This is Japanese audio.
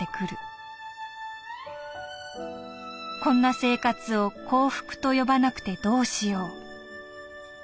「こんな生活を幸福と呼ばなくてどうしよう」。